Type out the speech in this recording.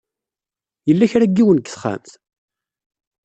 Yella ka n yiwen deg texxamt?